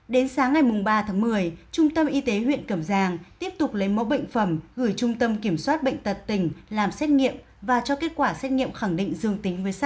đến sáng ngày ba tháng một mươi trung tâm y tế huyện cẩm giàng tiếp tục lấy mẫu bệnh phẩm gửi trung tâm kiểm soát bệnh tật tỉnh làm xét nghiệm và cho kết quả xét nghiệm khẳng định dương